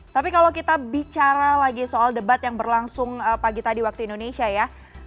tapi kalau kita bicara lagi soal debat yang berlangsung pagi tadi waktu indonesia ya